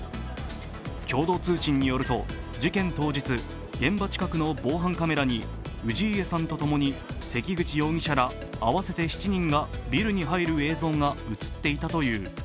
共同通信によると、事件当日現場近くのカメラに氏家さんとともに関口容疑者ら合わせて７人がビルに入る映像が映っていたという。